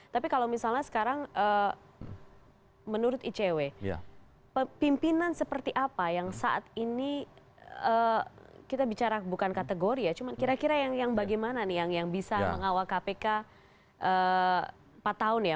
tapi kalau misalnya sekarang menurut icw pimpinan seperti apa yang saat ini kita bicara bukan kategori ya cuma kira kira yang bagaimana nih yang bisa mengawal kpk empat tahun ya